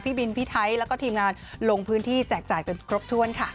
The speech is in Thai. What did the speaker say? บินพี่ไทยแล้วก็ทีมงานลงพื้นที่แจกจ่ายจนครบถ้วนค่ะ